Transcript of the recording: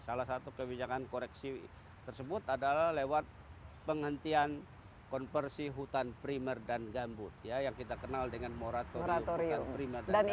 salah satu kebijakan koreksi tersebut adalah lewat penghentian konversi hutan primer dan gambut yang kita kenal dengan moratorium hutan primer